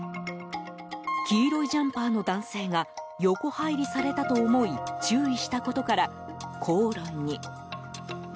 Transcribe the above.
黄色いジャンパーの男性が横入りされたと思い注意したことから口論に。